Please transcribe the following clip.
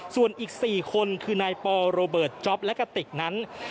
ส่วนอีก๔คนคือนายปอโรเบิร์ตจ๊อปและกติกนั้น